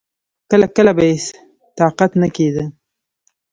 کله کله به يې طاقت نه کېده.